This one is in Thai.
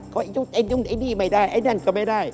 เค้าว่าไอ้นี่ไม่ได้ไอ้นั่นก็ไม่ได้